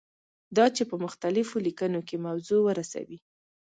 دا چې په مختلفو لیکنو کې موضوع ورسوي.